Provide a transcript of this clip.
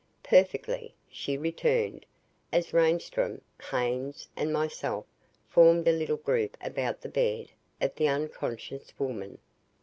"Perfectly," she returned, as Reinstrom, Haynes and myself formed a little group about the bedside of the unconscious woman.